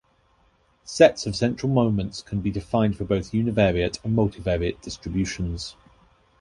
Sets of central moments can be defined for both univariate and multivariate distributions.